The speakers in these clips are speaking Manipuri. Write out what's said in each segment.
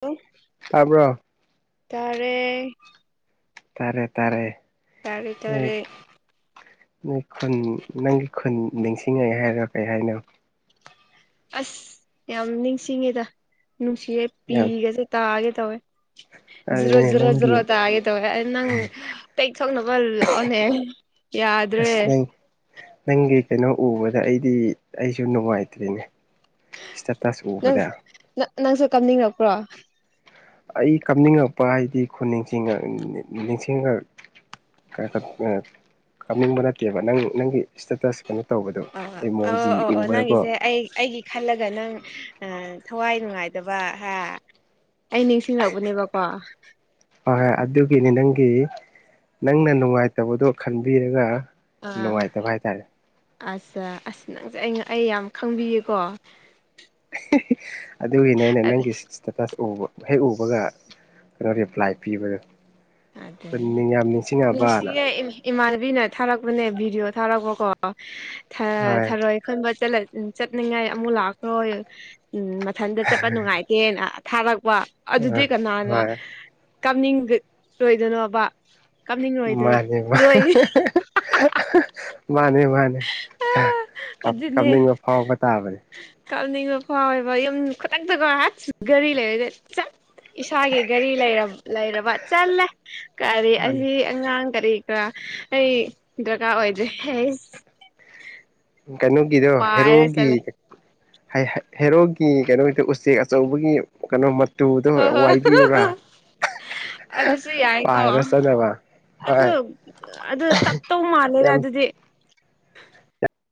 ꯍꯜꯂ‌ꯣ ꯇꯥꯕ꯭ꯔꯣ ꯇꯥꯔꯦ ꯇꯥꯔꯦ ꯇꯥꯔꯦ ꯇꯥꯔꯦ ꯅꯣꯏ ꯇꯥꯔꯦ ꯅꯣꯏ ꯈꯨꯟ ꯅꯪꯒꯤ ꯈꯨꯟ ꯅꯤꯡꯁꯤꯡꯉꯛꯑꯦ ꯍꯥꯏꯔꯣ ꯀꯩ ꯍꯥꯏꯅꯣ ꯑꯁ ꯌꯥꯝ ꯅꯤꯡꯁꯤꯡꯉꯦꯗ ꯅꯨꯡꯁꯤꯌꯦꯦ ꯌꯥꯝ ꯄꯤꯒꯁꯦ ꯇꯥꯒꯦ ꯇꯧꯋꯦ [inaudible] ꯖꯔꯣ ꯑꯗꯨꯅꯦ ꯖꯔꯣ ꯅꯪꯒꯤ ꯖꯔꯣ ꯇꯥꯒꯦ ꯇꯧꯋꯦ ꯑ ꯅꯪ ꯇꯦꯛ ꯁꯣꯛꯅꯕ ꯂꯥꯛꯑꯣꯅꯦ ꯌꯥꯗ꯭ꯔꯦ ꯑꯁ ꯅꯪ ꯅꯪꯒꯤ ꯀꯩꯅꯣ ꯎꯕꯗ ꯑꯩꯗꯤ ꯑꯩꯁꯨ ꯅꯨꯡꯉꯥꯏꯇ꯭ꯔꯤꯅꯦ ꯏꯁꯇꯦꯇꯁ ꯅꯪ ꯎꯕꯗ ꯅꯪꯁꯨ ꯀꯝꯅꯤꯡꯉꯛꯄ꯭ꯔꯣ ꯑꯩ ꯀꯞꯅꯤꯡꯉꯛꯄ ꯍꯥꯏꯗꯤ ꯈꯨ ꯅꯤꯡꯁꯤꯡꯉ ꯅꯤꯡꯁꯤꯡꯉ ꯈꯪꯅꯤꯡꯕ ꯅꯠꯇꯦꯕ ꯅꯪ ꯅꯪꯒꯤ ꯏꯁꯇꯦꯇꯁ ꯀꯩꯅꯣ ꯇꯧꯕꯗꯣ ꯑ ꯑꯩ ꯑꯣ ꯃꯣꯖꯤ ꯑꯣ ꯑꯣ ꯎꯕꯗꯀꯣ ꯅꯪꯒꯤꯁꯦ ꯑꯩ ꯑꯩꯒꯤ ꯈꯜꯂꯒ ꯅꯪ ꯊꯋꯥꯏ ꯅꯨꯡꯉꯥꯏꯇꯕ ꯑꯩ ꯅꯤꯡꯁꯤꯡꯔꯛꯄꯅꯦꯕꯀꯣ ꯍꯣꯏ ꯍꯣꯏ ꯑꯗꯨꯒꯤꯅꯤ ꯅꯪꯒꯤ ꯅꯪꯅ ꯅꯨꯡꯉꯥꯏꯇꯕꯗꯣ ꯈꯟꯕꯤꯔꯒ ꯑꯥ ꯅꯨꯡꯉꯥꯏꯇꯕ ꯍꯥꯏꯇꯥꯔꯦ ꯑꯠꯆꯥ ꯑꯁ ꯅꯪꯁꯦ ꯑꯩ ꯑꯩ ꯌꯥꯝ ꯈꯪꯕꯤꯌꯦꯀꯣ ꯑꯗꯨꯒꯤꯅꯦ ꯑꯩꯅ ꯅꯪꯒꯤ ꯏꯁꯇꯦꯇꯁ ꯎꯕ ꯍꯦꯛ ꯎꯕꯒ ꯀꯩꯅꯣ ꯔꯤꯄ꯭ꯂꯥꯏ ꯄꯤꯕꯗꯣ ꯈ ꯑꯗꯨꯅꯦ ꯌꯥꯝ ꯅꯤꯡꯁꯤꯡꯉꯕꯅ ꯅꯨꯡꯁꯤꯌꯦ ꯏꯃꯥꯟꯅꯕꯤꯅ ꯊꯥꯔꯛꯄꯅꯦ ꯚꯤꯗꯤꯑꯣ ꯊꯥꯔꯛꯄꯀꯣ ꯍꯣꯏ ꯊꯥꯔꯣꯏ ꯑꯟꯕ ꯆꯠꯅꯤꯡꯉꯥꯏ ꯑꯃꯨꯛ ꯂꯥꯛꯈ꯭ꯔꯣꯏ ꯎꯝ ꯃꯊꯟꯇ ꯆꯠꯄ ꯅꯨꯡꯉꯥꯏꯇ ꯍꯦꯟꯅ ꯊꯥꯔꯛꯄ ꯑꯗꯨꯗꯤ ꯀꯅꯥꯅꯣ ꯍꯣꯏ ꯀꯥꯞꯅꯤꯡꯔꯣꯏꯗꯣꯏꯅꯣꯕ ꯀꯥꯞꯅꯤꯡꯔꯣꯏꯗ ꯃꯥꯅꯤ ꯃꯥ ꯔꯣꯏ ꯃꯥꯅꯤ ꯃꯥꯅꯤ ꯀꯥꯞꯅꯤꯡꯕ ꯐꯥꯎꯕ ꯇꯥꯕꯅꯦ ꯀꯥꯎꯅꯤꯡꯕ ꯐꯥꯎꯋꯦꯕ ꯌꯨꯝ ꯈꯨꯇꯛꯇꯀ ꯒꯥꯔꯤ ꯂꯩꯔꯗꯤ ꯏꯁꯥꯒꯤ ꯒꯥꯔꯤ ꯂꯩꯔꯕ ꯆꯜꯂꯦ ꯒꯥꯔꯤ ꯃꯥꯅꯦ ꯑꯁꯤ ꯑꯉꯥꯡ ꯀꯔꯤ ꯀꯔꯥ ꯑꯩ ꯗꯔꯀꯥꯔ ꯑꯣꯏꯗ꯭ꯔꯦ ꯑꯩ ꯀꯩꯅꯣꯒꯤꯗꯣ ꯄꯥꯏꯔ ꯍꯦꯔꯣꯒꯤ ꯆꯠꯂꯦ ꯍꯦꯔꯣꯛꯒꯤ ꯀꯩꯅꯣꯒꯤꯗ ꯎꯆꯦꯛ ꯑꯆꯧꯕꯒꯤ ꯀꯩꯅꯣ ꯇꯨꯗ ꯍꯣꯏ ꯍꯣꯏ ꯋꯥꯏꯕꯤꯌꯨꯔꯥ ꯑꯗꯨꯁꯨ ꯌꯥꯏꯀꯣ ꯄꯥꯏꯔ ꯆꯠꯅꯕ ꯑꯗꯨ ꯍꯣꯏ ꯑꯗꯨ ꯇꯞꯇꯧ ꯃꯥꯜꯂꯦꯗ ꯌꯥꯝ ꯑꯗꯨꯗꯤ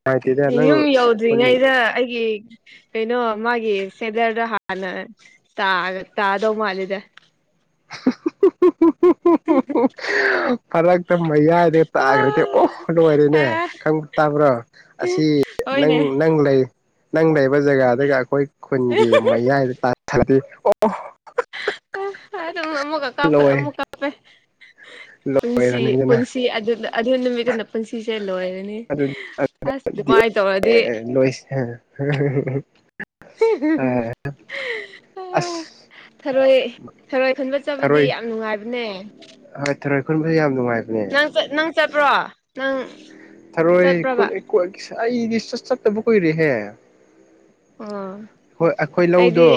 ꯅꯨꯡꯉꯥꯏꯇꯦꯗ ꯅꯪ ꯌꯨꯝ ꯈꯨꯟ ꯌꯧꯗ꯭ꯔꯤꯉꯩꯗ ꯑꯩꯒꯤ ꯀꯩꯅꯣ ꯃꯥꯒꯤ ꯁꯦꯂꯔꯗ ꯍꯥꯟꯅ ꯇꯥꯗꯧ ꯃꯥꯜꯂꯤꯗ [inaudible] ꯎ ꯎ ꯐꯔꯛꯇ ꯃꯌꯥꯏꯗ ꯇꯥꯈ꯭ꯔꯗꯤꯦ ꯑꯣꯍ ꯑ ꯂꯣꯏꯔꯦꯅꯦ ꯈꯪꯕ ꯇꯥꯕ꯭ꯔꯣ ꯑꯁꯤ ꯅꯪ ꯍꯣꯏꯅꯦ ꯅꯪ ꯂꯩ ꯅꯪ ꯂꯩꯕ ꯖꯒꯥꯗꯒ ꯑꯩꯈꯣꯏ ꯈꯨꯟꯒꯤ ꯃꯌꯥꯏꯗ ꯇꯥꯗꯤ ꯑꯣ ꯗ ꯑꯃꯨꯛꯀ ꯀꯥꯞꯄ ꯂꯣꯏ ꯑꯃꯨꯛ ꯀꯥꯞꯄꯦ ꯄꯨꯟꯁꯤ ꯂꯣꯏꯔꯅꯤꯗꯅ ꯄꯨꯟꯁꯤ ꯑꯗꯨꯗ ꯑꯗꯤꯅ ꯃꯃꯤ ꯅꯄꯟꯁꯤ ꯆꯦꯜ ꯂꯔꯦ ꯑꯗꯨ ꯂꯣꯏꯁ ꯑ ꯑꯁ ꯊꯔꯣꯏ ꯊꯔꯣꯏ ꯈꯨꯟꯕꯠ ꯆꯕꯗꯤ ꯊꯔꯣꯏ ꯌꯥꯝ ꯅꯨꯡꯉꯥꯏꯕꯅꯦ ꯍꯣꯏ ꯊꯔ ꯑꯩꯈ ꯈꯨꯟꯕꯁꯨ ꯌꯥꯝ ꯅꯨꯡꯉꯥꯏꯕ ꯅꯪ ꯅꯪ ꯆꯠꯄ꯭ꯔꯣ ꯅꯪ ꯊꯔꯣꯏ ꯆꯠꯄ꯭ꯔꯕ ꯑꯩꯗꯤꯠ ꯆꯠꯇꯕ ꯀꯨꯏꯔꯦꯍꯦ ꯑꯣ ꯍꯣꯏ ꯑꯩꯈꯣꯏ ꯑꯩꯗꯤ ꯂꯧꯗꯣ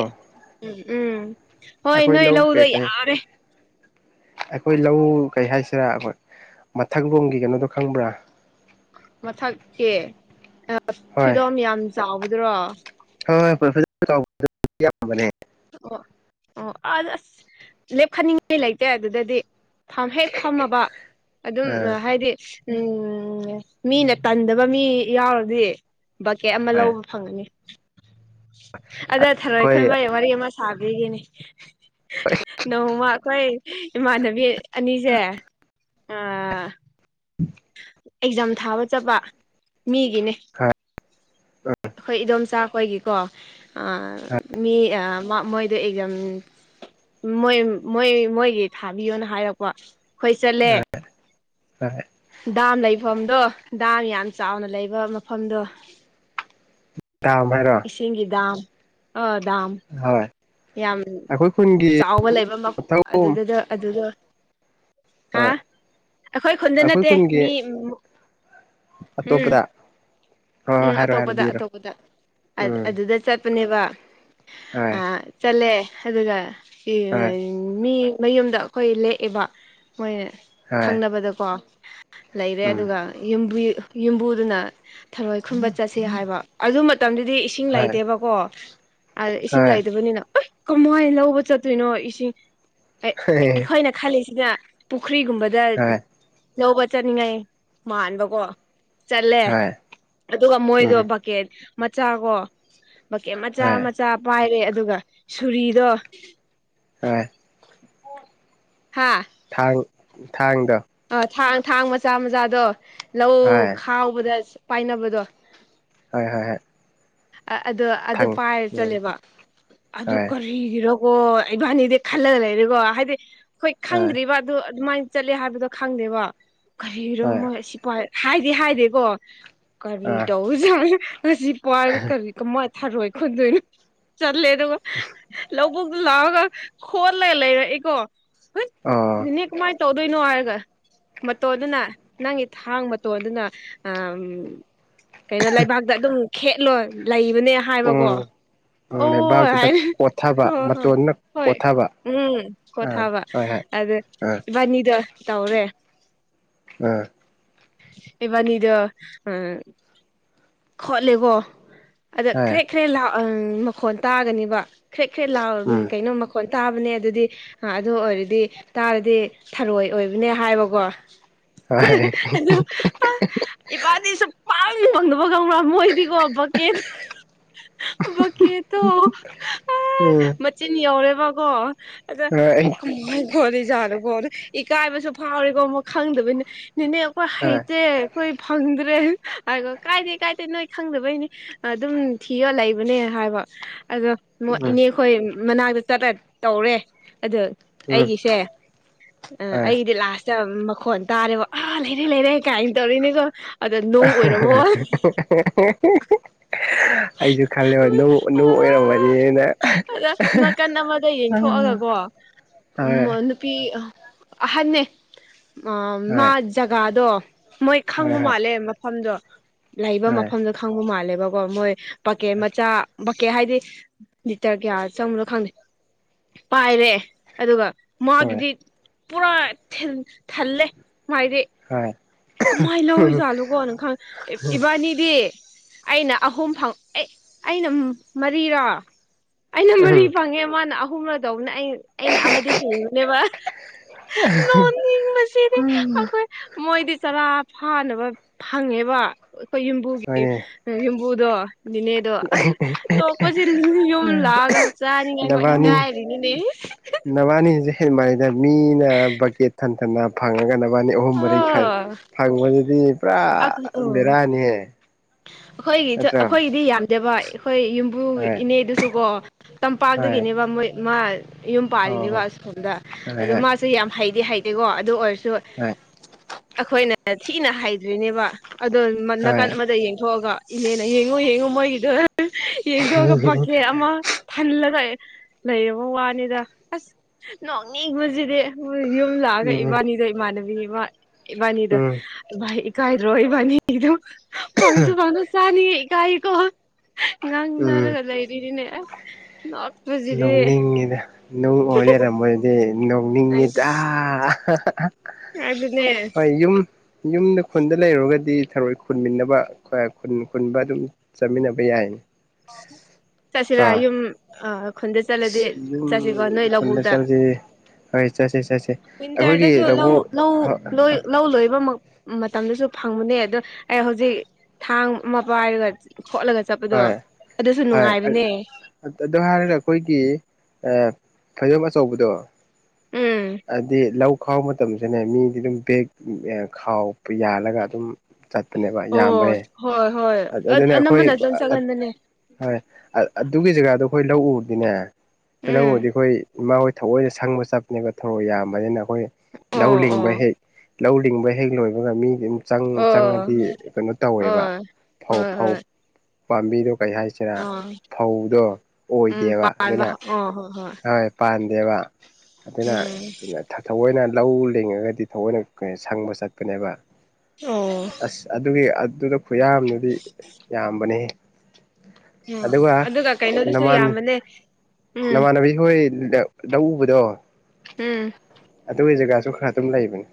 ꯎꯝ ꯍꯣꯏ ꯑꯩꯈꯣꯏ ꯅꯣꯏ ꯂꯧ ꯂꯧꯗꯣ ꯀꯩ ꯀꯩ ꯌꯥꯔꯦ ꯑꯩꯈꯣꯏ ꯂꯧ ꯀꯩ ꯍꯥꯏꯁꯤꯔꯥ ꯑꯩꯈꯣꯏ ꯃꯊꯛꯂꯣꯝꯒꯤ ꯀꯩꯅꯣꯗꯣ ꯈꯪꯕ꯭ꯔꯥ ꯃꯊꯛꯀꯤ ꯍꯣꯏ ꯐꯤꯗꯣꯝ ꯌꯥꯝ ꯆꯥꯎꯕꯗ꯭ꯔꯣ ꯍꯣꯏ ꯍꯣꯏꯣꯦꯅꯦ ꯑꯣ ꯑꯣ ꯑ ꯑꯁ ꯂꯦꯞꯈꯅꯤꯡꯉꯥꯏ ꯂꯩꯇꯦ ꯑꯗꯨꯗꯗꯤ ꯐꯝ ꯍꯦꯛ ꯐꯝꯃꯕ ꯑꯗꯨꯝ ꯑꯥ ꯍꯥꯏꯗꯤ ꯎꯝ ꯃꯤꯅ ꯇꯟꯗꯕ ꯃꯤ ꯌꯥꯎꯔꯗꯤ ꯕꯛꯀꯦꯠ ꯑꯃ ꯍꯣꯏ ꯂꯧꯕ ꯐꯪꯒꯅꯤ ꯑꯗ ꯊꯔꯣꯏ ꯑꯩꯈꯣꯏ ꯃꯌꯦꯛ ꯋꯥꯔꯤ ꯑꯃ ꯁꯥꯕꯤꯈꯤꯅꯤ ꯅꯧꯃ ꯑꯩꯈꯣꯏ ꯏꯃꯥꯟꯅꯕꯤ ꯑꯅꯤꯁꯦ ꯑ ꯎꯝ ꯑꯦꯛꯖꯥꯝ ꯊꯥꯕ ꯆꯠꯄ ꯃꯤꯒꯤꯅꯦ ꯈꯥ ꯑꯩꯈꯣꯏ ꯏꯗꯣꯝꯆꯥ ꯑꯩꯣꯏꯒꯤꯀꯣ ꯃꯤ ꯃꯣꯏꯗꯣ ꯑꯦꯖꯝ ꯃꯣꯏ ꯃꯣꯏ ꯃꯣꯏꯒꯤ ꯊꯥꯕꯤꯌꯣꯅ ꯍꯥꯏꯔꯛꯄ ꯑꯩꯈꯣꯏ ꯆꯠꯂꯦ ꯍ ꯗꯥꯝ ꯂꯩꯐꯝꯗꯣ ꯗꯥꯝ ꯌꯥꯝ ꯆꯥꯎꯅ ꯂꯩꯕ ꯃꯐꯝꯗꯣ ꯇ ꯑꯃꯔ ꯁꯤꯒꯤꯗꯥꯝ ꯑ ꯝ ꯍꯣꯏ ꯌꯥꯝ ꯑꯩꯈꯣꯏ ꯈꯨꯟꯒꯤ ꯆꯥꯎꯕ ꯂꯩꯕ ꯑꯗꯨ ꯃꯊꯛꯂꯣꯝ ꯑꯗꯨꯗꯣ ꯍꯥ ꯍꯣꯏ ꯑꯩꯈꯣꯏ ꯈꯨꯟꯗ ꯅꯠꯇꯦ ꯃꯤ ꯎꯝ ꯑꯇꯣꯞꯄꯗ ꯍꯣꯏ ꯍꯣꯏ ꯎꯝ ꯍꯥꯏꯔꯣ ꯍꯥꯏꯔꯣ ꯑꯇꯣꯞꯄꯗ ꯂꯤꯔꯣ ꯑꯇꯣꯞꯄꯗ ꯎꯝ ꯑꯗꯨꯗ ꯆꯠ ꯆꯄꯅꯦꯕ ꯍꯣꯏ ꯆꯠꯂꯦ ꯑꯗꯨꯒ ꯍꯣꯏ ꯃꯤ ꯃꯌꯨꯝꯗ ꯑꯩꯈꯣꯏ ꯂꯦꯛꯑꯦꯕ ꯃꯣꯏ ꯍꯣꯏ ꯈꯪꯅꯕꯗꯀꯣ ꯂꯩꯔꯦ ꯎꯝ ꯑꯗꯨꯒꯕꯨ ꯌꯨꯝꯕꯨꯗꯨꯅ ꯊꯔꯣꯏ ꯈꯨꯨꯝꯕ ꯆꯠꯁꯤ ꯍꯥꯏꯕ ꯑꯗꯨ ꯃꯇꯝꯗꯨꯗꯤ ꯏꯁꯤꯡ ꯍꯣꯏ ꯂꯩꯇꯦꯕꯀꯣ ꯑꯗ ꯏꯁꯤꯡ ꯍꯣꯏ ꯂꯩꯗꯕꯅꯤꯅ ꯑꯦ ꯀꯃꯥꯏꯅ ꯂꯧꯕ ꯆꯠꯇꯣꯏꯅꯣ ꯏꯁꯤꯡ ꯍꯣꯏ ꯑꯩꯈꯣꯏꯅ ꯈꯜꯂꯤꯁꯤꯅ ꯄꯨꯈ꯭ꯔꯤꯒꯨꯝꯕꯗ ꯂꯧꯕ ꯆꯠꯅꯤꯡꯉꯥꯏ ꯃꯥꯟꯕꯀꯣ ꯆꯠꯂꯦ ꯍꯣꯏ ꯑꯗꯨꯒ ꯃꯣꯏꯗꯣ ꯎꯝ ꯕꯛꯀꯦꯠ ꯃꯆꯥ ꯀꯣ ꯕꯛꯀꯦꯠ ꯃꯆꯥ ꯍꯣꯏ ꯃ ꯆꯥ ꯄꯥꯏꯔꯦ ꯑꯗꯨꯒ ꯁꯨꯔꯤꯗꯣ ꯍꯣꯏ ꯍꯥꯥ ꯊꯥꯡ ꯊꯥꯡꯗ ꯑ ꯊꯥꯡ ꯊꯥꯡ ꯃꯆꯥ ꯃꯆꯥꯗꯣ ꯂꯧ ꯍꯣꯏ ꯈꯥꯎꯕꯗ ꯄꯥꯏꯅꯕꯗꯣ ꯍꯣꯏ ꯍꯣꯏ ꯍꯣꯏ ꯑꯗꯨ ꯑꯗꯨ ꯊꯥꯡ ꯄꯥꯏꯔ ꯎꯝ ꯆꯠꯂꯦꯕ ꯑꯗꯨ ꯍꯣꯏ ꯀꯔꯣꯀꯣ ꯏꯕꯥꯅꯤꯗꯤ ꯈꯜꯂꯒ ꯂꯩꯔꯀꯣ ꯍꯥꯏꯗꯤ ꯑꯩꯈꯣꯏ ꯍꯣꯏ ꯈꯪꯗ꯭ꯔꯤꯕ ꯑꯗꯨ ꯑꯗꯨꯃꯥꯏꯅ ꯆꯠꯂꯦ ꯍꯥꯏꯕꯗꯣ ꯈꯪꯗꯦꯕ ꯀꯔꯤꯔꯣ ꯍꯣꯏ ꯃꯣꯏ ꯍꯥꯏꯗꯤ ꯍꯥꯏꯗꯦꯀꯣ ꯀꯔꯤ ꯑꯥ ꯇꯧꯁ ꯀꯔꯤ ꯀꯃꯅ ꯊꯥꯔꯣꯏ ꯈꯣꯟꯗꯣꯏꯅꯣ ꯆꯠꯂꯦ ꯑꯗꯨꯒ ꯛ ꯂꯥꯎꯑꯣꯒ ꯈꯣꯣꯟ ꯂꯩ ꯂꯩ ꯏꯀꯣ ꯍꯣꯏ ꯑꯣ ꯏꯅꯦ ꯀꯃꯥꯏꯅ ꯇꯧꯗꯣꯏꯅꯣ ꯍꯥꯏꯔꯒ ꯃꯇꯣꯟꯗꯨꯅ ꯅꯪꯒꯤ ꯊꯥꯡ ꯃꯇꯣꯟꯗꯨꯅ ꯎ ꯀꯩꯅꯣ ꯂꯩꯕꯥꯛꯇ ꯑꯗꯨꯝ ꯈꯦꯠꯂꯣ ꯂꯩꯕꯅꯦ ꯍꯥꯏꯕꯀꯣ ꯎ ꯑꯣ ꯂꯩꯕꯥꯛꯇꯨꯗ ꯍꯥꯏꯅ ꯀꯣꯊꯕ ꯍꯣꯏ ꯍꯣꯏ ꯃꯇꯣꯟꯅ ꯍꯣꯏ ꯀꯣꯊꯕ ꯎꯝ ꯈꯣ ꯑꯥ ꯊꯥꯕ ꯍꯣꯏ ꯍꯣꯏ ꯑꯗꯨ ꯑꯥ ꯏꯕꯥꯅꯤꯗ ꯇꯧꯔꯦ ꯎꯝ ꯑꯦꯕꯥꯅꯤꯗ ꯑ ꯈꯣꯠꯂꯦꯕꯣ ꯑꯗ ꯑꯥ ꯍꯣꯏ ꯈꯔꯦ ꯈ꯭ꯔꯦ ꯂꯥꯛ ꯃꯈꯣꯟ ꯇꯥꯒꯅꯦꯕ ꯈ꯭ꯔꯦ ꯈ꯭ꯔꯦꯠ ꯂꯥꯎ ꯎꯝ ꯀꯩꯅꯣ ꯃꯈꯣꯟ ꯇꯥꯕꯅꯦ ꯑꯗꯨꯗꯤ ꯑꯗꯨ ꯑꯣꯏꯔꯗꯤ ꯇꯥꯔꯗꯤ ꯊꯔꯣꯏ ꯑꯣꯏꯕꯅꯦ ꯍꯥꯏꯕꯀꯣ ꯍꯣꯏ ꯑꯗꯨ ꯏꯄꯥꯗꯤ ꯁꯨꯝ ꯄꯥꯝꯅ ꯐꯪꯗꯕ ꯀꯧꯔ꯭ꯔꯥ ꯃꯣꯏꯗꯤꯒꯣ ꯕꯛꯀꯦꯠ ꯕꯛꯀꯦꯠꯇꯣ ꯎꯝ ꯑꯥ ꯆꯤꯟ ꯌꯧꯔꯦꯕꯀꯣ ꯑꯗꯨꯒ ꯍꯣꯏ ꯀꯩꯅꯣ ꯍꯥꯏꯖꯤ ꯀꯣ ꯂꯤꯖꯥꯠꯗꯀꯣ ꯑꯗꯨ ꯏꯀꯥꯏꯕꯁꯨ ꯐꯥꯎꯔꯤꯀꯣ ꯑꯃ ꯈꯪꯗꯕꯅꯤ ꯅꯦꯅꯦ ꯑꯩꯈꯣꯏ ꯍꯣꯏ ꯍꯩꯇꯦ ꯑꯩꯈꯣꯏ ꯐꯪꯗ꯭ꯔꯦ ꯍꯥꯏꯒꯣ ꯀꯥꯏꯗꯦ ꯀꯥꯏꯗꯦ ꯅꯣꯏ ꯈꯪꯗꯕꯩꯅꯤ ꯑꯗꯨꯝ ꯊꯤꯌꯣ ꯂꯩꯕꯅꯦ ꯍꯥꯏꯕ ꯑꯗꯣ ꯃꯣꯏ ꯎꯝ ꯏꯅꯦꯈꯣꯏ ꯃꯅꯥꯛꯇ ꯆꯠꯂ ꯇꯧꯔꯦ ꯑꯗꯨ ꯎꯝ ꯑꯩꯒꯤꯁꯦ ꯑꯥ ꯍꯣꯏ ꯑꯩꯒꯤꯗꯤ ꯂꯥꯁ ꯃꯈꯣꯟ ꯇꯥꯔꯦꯕ ꯑꯥ ꯂꯩꯔꯦ ꯂꯩꯔꯦ ꯀꯥꯏꯅ ꯇꯧꯔꯤꯅꯦꯀꯣ ꯑꯗꯣ ꯅꯨꯡ ꯑꯣꯏꯔꯝꯃꯣ [unintelligible] ꯑꯩꯖꯨ ꯈꯜꯂꯦꯕ ꯅꯨꯡ ꯅꯨꯡ ꯑꯣꯏꯔꯝꯃꯅꯤꯅ ꯑꯗ ꯅꯥꯀꯟ ꯑꯃꯗ ꯌꯦꯡꯊꯣꯛꯑꯒꯀꯣ ꯑꯥ ꯅꯨꯄꯤ ꯑꯍꯟꯅꯦ ꯃꯥ ꯍꯣꯏ ꯖꯒꯥꯗꯣ ꯃꯣꯏ ꯍꯣꯏ ꯈꯪꯕ ꯃꯥꯜꯂꯦ ꯃꯐꯝꯗꯣ ꯂꯩꯕ ꯍꯣꯏ ꯃꯐꯝꯗꯣ ꯈꯪꯕ ꯃꯥꯜꯂꯦꯕꯀꯣ ꯃꯣꯏ ꯕꯛꯀꯦꯠ ꯃꯆꯥ ꯕꯛꯀꯦꯠ ꯍꯥꯏꯗꯤ ꯂꯤꯇꯔ ꯀꯌꯥ ꯆꯪꯕꯅꯣ ꯈꯪꯗꯦ ꯄꯥꯏꯔꯦ ꯑꯗꯨꯒ ꯍꯣꯏ ꯃꯥꯒꯤꯗꯤ ꯄꯨꯔꯥ ꯊꯜꯂꯦ ꯃꯥꯒꯤꯗꯤ ꯍꯣꯏ ꯀꯃꯥꯏꯟ ꯂꯧꯖꯥꯠꯂꯨꯀꯣ ꯅ ꯈꯪ ꯏꯕꯥꯅꯤꯗꯤ ꯑꯩꯅ ꯑꯍꯨꯝ ꯐꯪ ꯑꯩꯅ ꯃꯔꯤꯔꯥ ꯑꯩ [unintelligible] ꯐꯪꯉꯦ ꯃꯥꯅ ꯑꯍꯨꯝꯂꯗꯧꯕꯅꯦ ꯑꯩ ꯑꯩꯅ ꯑꯃꯗꯤ ꯍꯤꯡꯉꯨꯅꯦꯕ ꯅꯣꯅꯤꯡꯕꯁꯤꯗꯤ ꯑꯈꯣꯏ ꯃꯣꯏꯗꯤ ꯆꯔꯥ ꯐꯥꯅꯕ ꯐꯪꯉꯦꯕ ꯑꯩꯈꯣꯏ ꯌꯨꯝꯕꯨꯒꯤ ꯍꯣꯏꯅꯦ ꯌꯨꯝꯕꯨꯗꯣ ꯅꯤꯅꯦꯗꯣ ꯑꯥ ꯅꯣꯛꯄꯁꯤꯗꯤ ꯌꯨꯝ ꯂꯥꯛꯑꯒ ꯆꯥꯅꯤꯡꯉꯦꯕ ꯏꯀꯥꯏꯔꯤꯅꯤꯅꯦ ꯅꯕꯥꯅꯤꯖꯦ ꯍꯦꯟꯃꯟꯂꯤꯗ ꯃꯤꯅ ꯕꯛꯀꯦꯠ ꯊꯟꯊꯟ ꯅ ꯐꯪꯉꯒ ꯅꯕꯅꯤ ꯑꯅꯤ ꯑꯍꯨꯝ ꯃꯔꯤ ꯈꯛ ꯑꯣ ꯐꯪꯕꯗꯨꯗꯤ ꯄꯨꯔꯥ ꯕꯦꯔꯥꯅꯤꯍꯦ ꯑꯩꯈꯣꯏꯒꯤ ꯅꯠꯇ꯭ꯔꯣ ꯑꯩꯈꯣꯏꯒꯤꯗꯤ ꯌꯥꯝꯗꯕ ꯑꯩꯈꯣꯏ ꯌꯨꯝꯕꯨ ꯍꯣꯏ ꯏꯅꯦꯗꯨꯁꯨ ꯀꯣ ꯍꯣꯏ ꯇꯝꯄꯥꯛꯇꯗꯒꯤꯅꯦꯕ ꯃꯣꯏ ꯃꯥ ꯌꯨꯝ ꯄꯥꯜꯂꯤꯅꯦꯕ ꯑꯣ ꯑꯁꯣꯝꯗ ꯍꯣꯏ ꯑꯗꯣ ꯍꯣꯏ ꯃꯥꯁꯦ ꯌꯥꯝ ꯍꯩꯗꯤ ꯍꯩꯇꯦꯀꯣ ꯑꯗꯨ ꯑꯣꯏꯔꯁꯨ ꯑꯥ ꯑꯩꯈꯣꯏꯅ ꯊꯤꯅ ꯍꯥꯗꯔꯤꯅꯦꯕ ꯑꯗꯣ ꯅꯥꯀꯟ ꯍꯣꯏ ꯑꯃꯗ ꯌꯦꯡꯊꯣꯛꯑꯒ ꯏꯅꯦꯅ ꯌꯦꯡꯉꯨ ꯌꯦꯡꯉꯨ ꯃꯣꯏꯒꯤꯗꯣ ꯌꯦꯡꯗꯣꯛꯑꯒ ꯕꯛꯀꯦ ꯑꯃ ꯊꯜꯂꯒ ꯂꯩꯔꯕ ꯋꯥꯅꯤꯗ ꯑꯁ ꯅꯣꯡꯅꯤꯡꯕꯁꯤꯗꯤ ꯍꯣꯏ ꯌꯨꯝ ꯂꯥꯛꯑꯒ ꯎꯝ ꯏꯕꯥꯅꯤꯗ ꯏꯃꯥꯟꯅꯕꯤꯅꯤ ꯑꯃ ꯏꯕꯥꯅꯤꯗꯣ ꯎꯝ ꯚꯥꯥꯏ ꯏꯀꯥꯏꯗꯔꯣ ꯏꯕꯅꯤꯒꯤꯗꯣ ꯐꯪꯁꯨ ꯐꯪ ꯆꯅꯤ ꯏꯀꯥꯏ ꯀꯣ ꯉꯪ ꯎꯝ ꯅꯔꯒ ꯂꯩꯔꯤꯅꯤꯅꯦ ꯑꯁ ꯅꯣꯛꯄꯖꯤꯗꯤ ꯉꯤꯗ ꯅꯨꯡ ꯑꯣꯏ ꯂꯩꯔꯝꯝꯕꯗꯨꯗꯤ ꯅꯣꯡꯅꯤꯡꯉꯤꯗ ꯑꯗꯨꯅꯦ ꯍꯣꯏ ꯌꯨꯝ ꯌꯨꯝꯗ ꯈꯨꯟꯗ ꯂꯩꯔꯨꯔꯒꯗꯤ ꯊꯔꯣꯏ ꯈꯨꯟꯃꯤꯟꯅꯕ ꯈꯨꯟ ꯈꯨꯟꯕ ꯑꯗꯨꯝ ꯆꯠꯃꯤꯟꯅꯕ ꯌꯥꯏ ꯆꯠꯁꯤꯔ ꯌꯨꯝ ꯑꯥ ꯈꯨꯟꯗ ꯆꯠꯂꯗꯤ ꯆꯠꯁꯤꯀꯣ ꯌꯨꯝ ꯅꯣꯏ ꯈꯨꯟꯗ ꯂꯧꯕꯨꯛꯇ ꯆꯠꯁꯤ ꯍꯣꯏ ꯆꯠꯁꯦ ꯆꯠꯁꯦ ꯑꯩꯈꯣꯏꯒꯤ ꯋꯤꯟꯇꯔꯗꯁꯨ ꯂꯧ ꯂꯧꯕꯨꯛ ꯂꯧ ꯂꯧ ꯂꯣꯏꯕꯃꯛ ꯃꯇꯝꯗꯨꯁꯨ ꯐꯪꯕꯅꯦ ꯑꯗꯣ ꯑꯩ ꯍꯧꯖꯤꯛ ꯊꯥꯡ ꯑꯃ ꯄꯥꯏꯔꯒ ꯈꯣꯠꯂꯒ ꯆꯞꯄꯗꯣ ꯍꯣꯏ ꯍꯣꯏ ꯑꯗꯨ ꯑꯗꯨ ꯍꯥꯏꯔꯒ ꯑꯩꯈꯣꯏꯒꯤ ꯐꯩꯖꯣꯝ ꯑꯆꯧꯕꯗꯣ ꯎꯝ ꯍꯥꯏꯗꯤ ꯂꯧ ꯈꯥꯎꯕ ꯃꯇꯝꯁꯨꯅꯦ ꯃꯤꯗꯤ ꯑꯗꯨꯝ ꯕꯦꯛ ꯈꯥꯎ ꯌꯥꯜꯂꯒ ꯑꯗꯨꯝ ꯆꯠꯄꯅꯦꯕ ꯑꯣ ꯌꯥꯝꯕꯅꯦ ꯍꯣꯏ ꯍꯣꯏ ꯑꯗꯨꯅ ꯑꯩꯈꯣꯏ ꯑꯅꯝꯕꯅ ꯑꯗꯨꯝ ꯆꯠꯒꯟꯗꯅꯦ ꯍꯣꯏ ꯑꯗꯨꯒꯤ ꯖꯒꯥꯗꯣ ꯑꯩꯈꯣꯏ ꯂꯧꯎꯗꯤꯅꯦ ꯑꯩꯈꯣꯏ ꯎꯝ ꯂꯧꯎꯗꯤ ꯑꯩꯈꯣꯏ ꯏꯃꯥ ꯊꯑꯣꯏꯅ ꯁꯪꯕ ꯆꯠꯄꯅꯦꯕ ꯊꯣꯔꯣꯛ ꯌꯥꯝꯕꯅꯤꯅ ꯑꯩꯈꯣꯏ ꯂꯧ ꯑꯣ ꯂꯤꯡꯕ ꯑꯣ ꯍꯦꯛ ꯂꯧ ꯂꯤꯡꯕ ꯍꯦꯛ ꯂꯣꯏꯕꯒ ꯃꯤꯗꯤ ꯑꯗꯨꯝ ꯑꯣ ꯆꯪꯉꯗꯤ ꯀꯩꯅꯣ ꯇꯧꯋꯦꯕ ꯍꯣꯏ ꯐꯧ ꯍꯣꯏ ꯐꯧ ꯄꯥꯝꯕꯤꯗꯣ ꯀꯩ ꯍꯥꯏ ꯑꯥ ꯐꯧꯗꯣ ꯑꯣꯏꯗꯦꯕ ꯑꯗꯨꯅ ꯑꯣ ꯍꯣꯏ ꯍꯣꯏ ꯄꯥꯟꯗꯦꯕ ꯑꯗꯨꯅ ꯎꯝ ꯊꯑꯣꯏꯅ ꯂꯧ ꯂꯤꯡꯉꯒꯗꯤ ꯊꯑꯣꯏꯅ ꯁꯪꯕ ꯆꯠ ꯅꯦꯕ ꯑꯣ ꯑꯁ ꯑꯗꯨꯒꯤ ꯑꯗꯨꯗ ꯈꯨꯌꯥ ꯗꯤ ꯌꯥꯝꯕꯅꯦ ꯎꯝ ꯑꯗꯨꯒ ꯀꯩꯅꯣꯗꯨꯁꯨ ꯅꯃꯥꯟ ꯌꯥꯝꯕꯅꯦ ꯎꯝ ꯅꯃꯥꯟꯅꯕꯤ ꯍꯣꯏꯗ ꯂꯧ ꯎꯕꯗꯣ ꯎꯝ ꯑꯗꯨꯒꯤ ꯖꯒꯥꯁꯨ ꯈꯔ ꯑꯗꯨꯝ ꯂꯩꯕꯅꯤ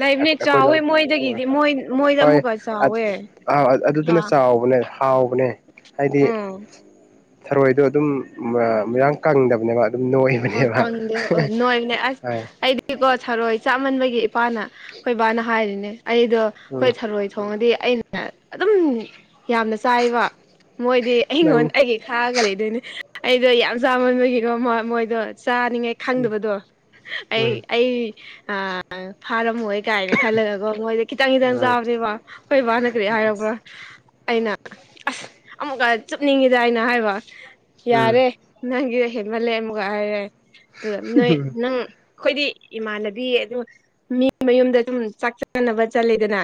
ꯂꯩꯕꯅꯦ ꯑꯩꯣꯏ ꯆꯥꯎꯋꯦ ꯂꯧ ꯃꯣꯏꯗꯒꯤꯗꯤ ꯃꯣꯏ ꯃꯣꯏꯗ ꯍ ꯑꯃꯨꯛꯀ ꯆꯥꯎꯋꯦ ꯑ ꯑ [inaudible] ꯑꯗꯨꯗꯨꯅ ꯑꯥ ꯆꯥꯎꯕꯅꯦ ꯍꯥꯎꯕꯅꯦ ꯍꯥꯏꯗꯤ ꯎꯝ ꯊꯥꯔꯣꯏꯗꯣ ꯑꯗꯨꯝ ꯃꯣꯏꯔꯥꯡ ꯀꯪꯗꯕꯅꯦꯕ ꯑꯗꯨꯝ ꯅꯣꯏ ꯑꯣ ꯀꯪꯗꯦ ꯍꯣꯢ ꯅꯣꯏꯕꯅꯦ ꯑꯁ ꯑꯩꯀꯣ ꯊꯔꯣꯏ ꯆꯥꯃꯟꯕꯒꯤ ꯏꯄꯥꯅ ꯑꯩꯈꯣꯏ ꯏꯕꯥꯅ ꯍꯥꯏꯔꯤꯅꯦ ꯑꯩꯗꯣ ꯎꯝ ꯑꯩꯈꯣꯏ ꯊꯔꯣꯏ ꯊꯣꯡꯉꯗꯤ ꯑꯩꯅ ꯑꯗꯨꯝ ꯌꯥꯝꯅ ꯆꯥꯏꯕ ꯃꯣꯏꯗꯤ ꯅꯪ ꯑꯩꯉꯣꯟ ꯑꯩꯒꯤ ꯈꯥꯑꯒ ꯂꯩꯗꯣꯏꯅꯦ ꯑꯩꯗꯣ ꯌꯥꯝ ꯆꯥꯃꯟꯕꯒꯤꯅꯣ ꯃꯣꯏ ꯃꯣꯏꯗꯣ ꯆꯥꯅꯤꯡꯉꯥꯏ ꯎꯝ ꯈꯪꯗꯕꯗꯣ ꯑꯩ ꯎꯝ ꯑꯩ ꯐꯥꯔꯝꯃꯣꯏ ꯀꯥꯏꯅ ꯈꯥꯜꯂꯛꯒꯒꯣ ꯃꯣꯏꯗꯤ ꯈꯤꯇꯪ ꯈꯤꯇꯪ ꯆꯥꯕꯅꯦꯕ ꯈꯣꯏ ꯕꯥꯅ ꯀꯔꯤ ꯍꯥꯏꯔꯕ꯭ꯔꯥ ꯑꯩꯅ ꯑꯁ ꯑꯃꯨꯛꯀ ꯆꯨꯞꯅꯤꯡꯉꯤꯗ ꯑꯩꯅ ꯍꯥꯏꯕ ꯎꯝ ꯌꯥꯔꯦ ꯅꯪꯒꯤꯗꯣ ꯍꯦꯟꯃꯜꯂꯦ ꯍꯥꯢꯔꯛꯑꯦ ꯑꯗꯣ ꯅꯪ ꯑꯩꯈꯣꯏꯗꯤ ꯏꯃꯥꯟꯅꯕꯤ ꯑꯗꯨꯝ ꯃꯤ ꯃꯌꯨꯝꯗ ꯑꯗꯨꯝ ꯆꯥꯛ ꯆꯥꯅꯕ ꯆꯠꯂꯦꯗꯅ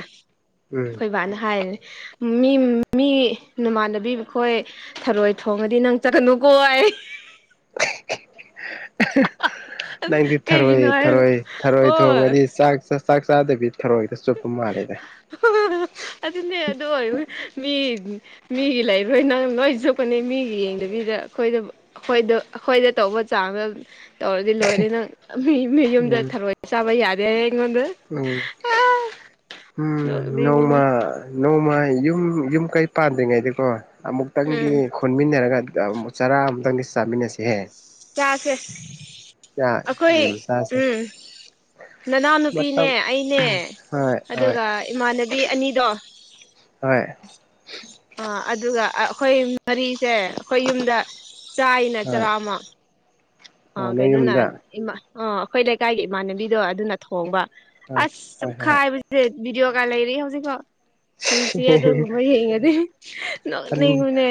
ꯎꯝ ꯅ ꯍꯥꯏꯔꯤꯅꯦ ꯃꯤ ꯃꯤ ꯅꯃꯥꯟꯅꯕꯤ ꯈꯣꯏ ꯊꯔꯣꯏ ꯊꯣꯡꯉꯗꯤ ꯅꯪ ꯆꯠꯒꯅꯨꯀꯣ ꯅꯪꯗꯤ ꯊꯔꯣꯏ ꯀꯩꯒꯤꯅꯣ ꯍꯥꯏꯔꯒ ꯊꯔꯣꯏ ꯊꯔꯣꯏ ꯍꯣꯏ ꯊꯣꯡꯉꯗꯤ ꯆꯥꯛ ꯆ ꯆꯥꯛ ꯆꯥꯗꯕꯤ ꯈꯥꯛꯇ ꯆꯨꯞꯄ ꯃꯥꯜꯂꯦꯗ ꯑꯗꯨꯅꯦ ꯑꯗꯨ ꯑꯣꯏ ꯃꯤ ꯃꯤꯒꯤ ꯂꯩꯔꯣꯏ ꯅꯪ ꯂꯣꯏ ꯆꯨꯞꯀꯅꯤ ꯃꯤꯒꯤ ꯌꯦꯡꯗꯕꯤꯗ ꯑꯩꯈꯣꯏꯗ ꯑꯩꯈꯣꯏꯗ ꯑꯩꯈꯣꯏꯗ ꯇꯧꯕ ꯆꯥꯡꯗ ꯇꯧꯔꯗꯤ ꯂꯣꯏꯔꯦ ꯅꯪ ꯃꯤ ꯃꯤ ꯌꯨꯝꯗ ꯎꯝ ꯊꯔꯣꯏ ꯆꯥꯕ ꯌꯥꯗꯦ ꯑꯩꯉꯣꯟꯗ ꯎꯝ ꯎꯝ ꯅꯣꯛꯅꯤꯡꯕꯅꯦ ꯅꯣꯡꯃ ꯅꯣꯡꯃ ꯌꯨꯝ ꯌꯨꯝ ꯀꯩ ꯄꯥꯟꯗ꯭ꯔꯤꯉꯩꯗꯤꯀꯣ ꯑꯃꯨꯛꯇꯪꯗꯤ ꯎꯝ ꯄꯨꯟꯃꯤꯟꯅꯔꯒ ꯑꯃ ꯆꯔꯥ ꯑꯃꯨꯛꯇꯪꯗꯤ ꯆꯥꯃꯤꯟꯅꯁꯤꯍꯦ ꯆꯥꯁꯦ ꯑꯩꯈꯣꯏ ꯎꯝ ꯆꯥꯁꯦ ꯎꯝ ꯅꯅꯥꯎꯅꯨꯄꯤꯅꯦ ꯃꯇꯝ ꯑꯩꯅꯦ ꯍꯣꯏ ꯍꯣꯏ ꯑꯗꯨꯒ ꯏꯃꯥꯟꯅꯕꯤ ꯑꯅꯤꯗꯣ ꯍꯣꯢ ꯑ ꯑꯗꯨꯒ ꯑꯩꯈꯣꯏ ꯃꯔꯤꯁꯦ ꯑꯩꯈꯣꯏ ꯌꯨꯝꯗ ꯆꯥꯥꯏꯅ ꯍꯣꯏ ꯆꯔꯥ ꯑꯃ ꯑ ꯑꯣ ꯅꯣꯏ ꯀꯩꯅꯣꯅꯥ ꯌꯨꯝꯗ ꯑꯥ ꯑꯩꯈꯣꯏ ꯂꯩꯀꯥꯏꯒꯤ ꯏꯃꯥꯟꯅꯕꯤꯗꯣ ꯑꯗꯨꯅ ꯊꯣꯡꯕ ꯍꯣꯏ ꯑꯁ ꯍꯣꯏ ꯍꯣꯏ ꯆꯨꯞꯈꯥꯏꯕꯁꯦ ꯕꯤꯗꯤꯑꯣ ꯀꯥ ꯂꯩꯔꯤ ꯍꯧꯖꯤꯛꯐꯥꯎ ꯅꯨꯡꯁꯤ ꯑꯗꯨꯒꯨꯝꯕ ꯌꯦꯡꯉꯗꯤ ꯅꯣꯛꯅꯤꯡꯕꯅꯦ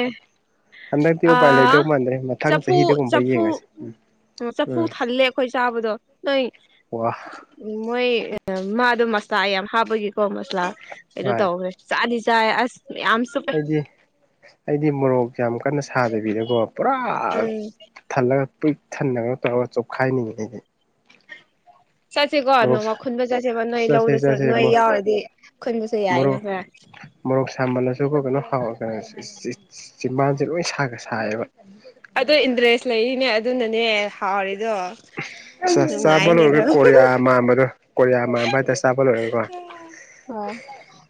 ꯍꯟꯗꯛꯇꯤ ꯎꯄꯥꯏ ꯑ ꯂꯩꯗꯧ ꯃꯥꯟꯗ꯭ꯔꯦ ꯃꯊꯪ ꯆꯐꯨ ꯆꯍꯤꯗꯒꯨꯝꯕ ꯆꯐꯨ ꯌꯦꯡꯉꯁꯤ ꯎꯝ ꯆꯐꯨ ꯎꯝ ꯊꯜꯂꯦ ꯑꯩꯈꯣꯏ ꯆꯥꯕꯗꯣ ꯅꯣꯏ ꯋꯥ ꯎ ꯃꯣꯏ ꯃꯥꯗꯣ ꯃꯁꯂꯥ ꯌꯥꯝ ꯍꯥꯞꯄꯒꯤꯀꯣ ꯃꯁꯂꯥ ꯀꯩꯅꯣ ꯍꯣꯏ ꯇꯧꯋꯦ ꯁꯥꯗꯤ ꯆ ꯑꯁ ꯌꯥꯝꯁꯨ ꯑꯩꯗꯤ ꯑꯩꯗꯤ ꯃꯣꯔꯣꯛꯁꯦ ꯌꯥꯝ ꯀꯟꯅ ꯁꯥꯗꯕꯤꯗꯀꯣ ꯄꯨꯔꯥ ꯎꯝ ꯊꯜꯂꯒ ꯄꯨꯏꯛ ꯊꯟꯅꯒ ꯇꯧꯔꯒ ꯆꯣꯈꯥꯏꯅꯤꯡꯉꯦꯁꯦ ꯆꯠꯁꯤꯀꯣ ꯃꯣꯔꯣꯛ ꯅꯣꯡꯃ ꯈꯨꯟꯕ ꯆꯠꯁꯦꯕ ꯅꯣꯏ ꯆꯠꯁꯦ ꯂꯧꯗꯨꯁꯨ ꯆꯠꯁꯦ ꯅꯣꯏ ꯌꯥꯎꯔꯗꯤ ꯈꯨꯟꯕꯁꯨ ꯌꯥꯏꯅ ꯃꯣꯔꯣꯛ ꯈꯔ ꯃꯣꯔꯣꯛ ꯁꯥꯃꯜꯂꯁꯨꯀꯣ ꯀꯩꯅꯣ ꯍ ꯀ ꯆꯤꯝꯕꯥꯟꯁꯦ ꯂꯣꯏ ꯁꯥꯒ ꯁꯥꯏꯌꯦꯕ ꯑꯗ ꯏꯟꯇꯔꯦꯁ ꯂꯩꯔꯤꯅꯦ ꯑꯗꯨꯅꯅꯦ ꯍꯥꯎꯔꯤꯗꯣ ꯆꯥꯕ ꯅꯨꯡꯉꯥꯏꯅꯦ ꯂꯣꯏꯔꯒ ꯑꯗꯣ ꯀꯣꯔꯤꯌꯥ ꯃꯝꯕꯗꯣ ꯀꯣꯔꯤꯌꯥ ꯃꯝꯕ ꯍꯥꯏꯇꯥꯔꯦ ꯆꯥꯕ ꯂꯣꯏꯔꯒꯀꯣ ꯍꯣꯏ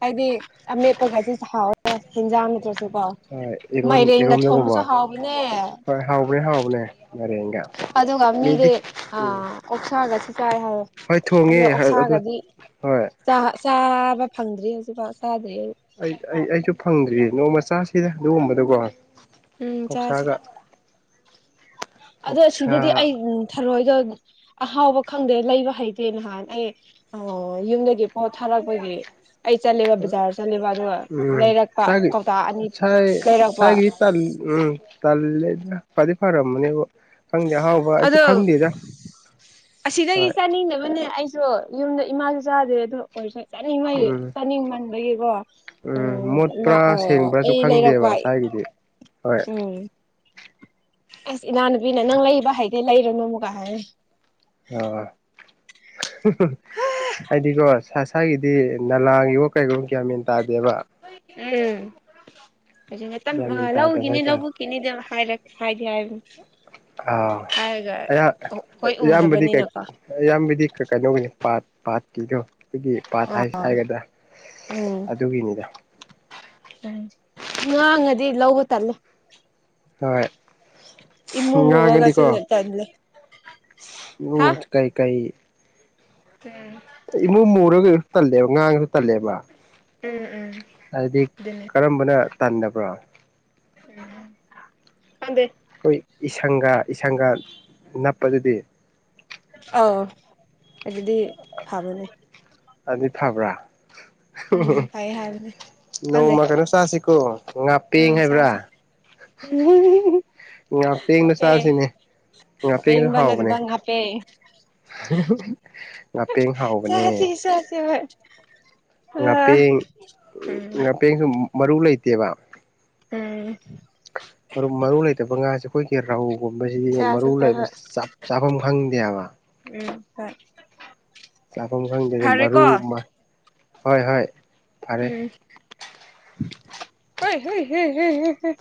ꯍꯥꯏꯗꯤ ꯑꯃꯦꯠꯄ ꯈꯩꯁꯨ ꯆꯥꯎꯋ ꯍꯦꯟꯖꯥꯡ ꯅꯠꯇ꯭ꯔꯁꯨ ꯀꯥꯎ ꯍꯣꯏ ꯏꯔꯣꯟ ꯃꯥꯏꯔꯦꯟꯒ ꯊꯣꯡꯕꯁꯨ ꯏꯔꯣꯝꯗꯒꯨꯝꯕ ꯍꯥꯎꯕꯅꯦ ꯍꯣꯏ ꯍꯥꯎꯕꯅꯦ ꯍꯥꯎꯕꯅꯦ ꯉꯔꯦꯡꯒ ꯑꯗꯨꯒ ꯃꯤꯗꯤ ꯑ ꯑꯣꯞꯊꯔꯒꯁꯨ ꯆꯥꯏ ꯍꯥꯏꯋꯦ ꯍꯣꯏ ꯊꯣꯡꯉꯦ ꯑꯗꯨ ꯍꯣꯏ ꯆꯥꯕ ꯐꯪꯗ꯭ꯔꯤ ꯍꯧꯖꯤꯛꯐꯥꯎ ꯆꯥꯗ꯭ꯔꯤ ꯑꯩ ꯑꯩ ꯑꯩꯁꯨ ꯐꯪꯗ꯭ꯔꯤꯌꯦ ꯅꯣꯡꯃꯆꯥꯁꯤꯗ ꯑꯗꯨꯒꯨꯝꯕꯗꯀꯣ ꯎꯝ ꯆꯥꯁꯦ ꯑꯣꯣꯛꯁꯥꯒ ꯑꯗꯣ ꯁꯤꯗꯗꯤ ꯑꯩ ꯊꯔꯣꯏꯗꯣ ꯑꯍꯥꯎꯕ ꯈꯪꯗꯦ ꯂꯩꯕ ꯍꯩꯇꯦ ꯅꯍꯥꯟ ꯑꯩ ꯌꯨꯝꯗꯒꯤ ꯑꯣ ꯊꯥꯔꯛꯄꯒꯤ ꯑꯩ ꯆꯠꯂꯦꯕ ꯕꯖꯥꯔ ꯆꯠꯂꯦꯕ ꯑꯗꯨꯒ ꯂꯩꯔꯛꯄ ꯀꯧꯇꯥ ꯑꯅꯤ ꯉꯥꯏ ꯂꯩꯔꯛꯄ ꯏꯁꯥꯏꯒꯤ ꯎꯝ ꯇꯜꯂꯦꯗ ꯐꯗꯤ ꯐꯔꯝꯃꯅꯦꯕ ꯑꯗꯣ ꯑꯁꯤꯗꯒꯤ ꯍꯣꯏ ꯆꯥꯅꯤꯡꯅꯕꯅꯦ ꯑꯩ ꯌꯨꯝꯗ ꯏꯃꯥꯁꯨ ꯆꯥꯗꯦ ꯑꯗꯨꯗꯣ ꯑꯣꯏꯔꯁꯨ ꯆꯥꯅꯤꯡꯉꯒꯤ ꯎꯝ ꯆꯥꯅꯤꯡꯃꯟꯕꯒꯤꯀꯣ ꯎꯝ ꯃꯣꯠꯄ꯭ꯔꯥ ꯁꯦꯡꯕ꯭ꯔꯥꯁꯨ ꯑꯩ ꯈꯪꯗꯦꯕ ꯂꯩꯔꯛꯄ ꯁꯥꯏꯒꯤꯗꯤ ꯍꯣꯏ ꯎꯝ ꯑꯁ ꯏꯅꯥꯅꯨꯄꯤꯅ ꯅꯪ ꯂꯩꯕ ꯍꯥꯏꯗꯤ ꯂꯩꯔꯨꯅꯨꯨꯒ ꯍꯥꯏꯔꯦ ꯑꯣ ꯍꯥꯏꯗꯤ ꯀꯣ ꯆ ꯉꯁꯥꯒꯤꯗꯤ ꯅꯂꯥꯒꯤꯕꯣ ꯀꯩꯒꯨꯝ ꯀꯌꯥ ꯃꯦꯟ ꯇꯥꯗꯦꯕ ꯎꯝ ꯒ꯭ꯌꯥꯟ ꯃꯦꯟ ꯇꯥꯗꯕ ꯂꯧꯎꯒꯤꯅꯤ ꯂ ꯍꯥꯏꯇꯥꯔꯦ ꯀꯤꯅꯤꯗ ꯈꯥꯏ ꯂ ꯈꯥꯏꯗ ꯍꯥꯏ ꯑ ꯑ ꯍꯣꯏ ꯌꯥꯝꯕꯤ ꯀ ꯎꯗꯕꯅꯤꯅꯀꯣ ꯏꯌꯥꯝꯕꯗꯤ ꯀꯩꯅꯣꯒꯤꯅꯤ ꯄꯥꯠ ꯄꯥꯠꯀꯤꯗꯣ ꯑꯩꯈꯣꯏꯒꯤ ꯄꯥꯊ ꯍꯥꯏꯁ ꯍꯥꯏꯒꯗ꯭ꯔꯥ ꯎꯝ ꯑꯗꯨꯒꯤꯅꯤꯗ ꯉꯥꯡꯉꯗꯤ ꯂꯧꯕ ꯇꯜꯂꯨ ꯍꯣꯏ ꯏꯃꯨ ꯃꯨꯔꯒꯁꯨ ꯉꯥꯡꯉꯗꯤꯀꯣ ꯇꯜꯂꯦ ꯎꯝ ꯀꯩꯀꯩ ꯐ ꯏꯃꯨꯡ ꯃꯨꯔꯒ ꯀꯩꯁꯨ ꯇꯜꯂꯦꯕ ꯉꯥꯡꯉꯁꯨ ꯇꯜꯂꯦꯕ ꯎꯝ ꯎꯝ ꯍꯥꯏꯗꯤ ꯑꯗꯨꯅꯦ ꯀꯔꯝꯕꯅ ꯇꯗꯕ꯭ꯔꯣ ꯎ ꯑꯗꯦ ꯑꯩꯈꯣꯏ ꯏꯁꯪꯒ ꯏꯁꯪꯒ ꯅꯞꯄꯗꯨꯗꯤ ꯑꯥꯎ ꯑꯗꯨꯗꯤ ꯐꯕꯅꯦ ꯑꯗꯨꯗꯤ ꯐꯥꯕ꯭ꯔꯥ ꯐꯩ ꯍꯥꯏꯕꯅꯦ ꯈꯪꯗꯦ ꯅꯣꯡꯃ ꯀꯩꯅꯣ ꯆꯁꯤꯀꯣ ꯑ ꯉꯥꯄꯦꯡ ꯍꯥꯏꯕ꯭ꯔꯥ ꯆꯥꯁꯦ ꯉꯥꯄꯦꯡꯗꯣ [unintelligible] ꯆꯥꯁꯤꯅꯦ ꯉꯥꯄꯦꯡꯁꯨ ꯄꯦꯡꯕ ꯅꯠꯇꯕ ꯉꯥꯞ [unintelligible] ꯉꯄꯦꯡ ꯍꯥꯎꯕꯅꯦ ꯆꯁꯤ ꯍꯣꯏ ꯑ ꯉꯥꯄꯦꯡ ꯉꯥꯄꯦꯡꯗꯨ ꯃꯔꯨ ꯂꯩꯇꯦꯕ ꯎꯝ ꯃꯔꯨ ꯃꯔꯨ ꯂꯩꯇꯕ ꯉꯥꯁꯦ ꯑꯩꯈꯣꯏꯒꯤ ꯔꯧ ꯒꯨꯝꯕꯁꯤꯗꯤ ꯆꯥꯁꯤ ꯃꯔꯨ ꯍꯣꯏ ꯂꯩꯕ ꯍꯣꯏ ꯆꯥꯐꯝ ꯈꯪꯗꯦꯕ ꯎꯝ ꯍꯣꯏ ꯆꯥꯐꯝ ꯈꯪꯗꯦ ꯃꯔꯨ ꯐꯔꯦꯀꯣ ꯍꯣꯏ ꯍꯣꯏ ꯐꯔꯦ [unintelligible] ꯍꯩ ꯍꯩ ꯍꯦ ꯍꯦ ꯍꯦ